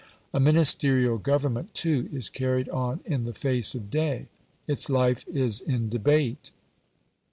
A Ministerial government, too, is carried on in the face of day. Its life is in debate.